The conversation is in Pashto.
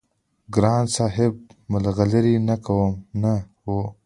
ګران صاحب د ملغلرې نه کم نه وو-